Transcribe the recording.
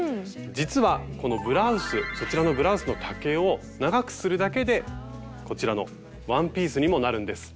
実はこのブラウスそちらのブラウスの丈を長くするだけでこちらのワンピースにもなるんです。